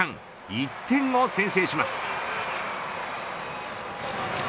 １点を先制します。